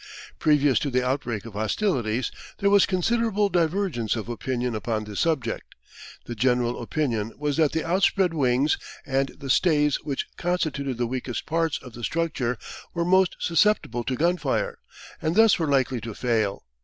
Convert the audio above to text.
Previous to the outbreak of hostilities there was considerable divergence of opinion upon this subject. The general opinion was that the outspread wings and the stays which constituted the weakest parts of the structure were most susceptible to gun fire, and thus were likely to fail.